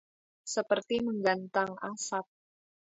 Seperti menggantang asap